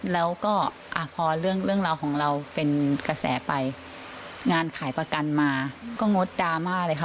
แล้วก็อ่ะพอเรื่องราวของเราเป็นกระแสไปงานขายประกันมาก็งดดราม่าเลยค่ะ